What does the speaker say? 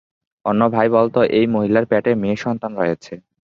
অন্য ভাই বলতো এই মহিলার পেটে মেয়ে সন্তান রয়েছে।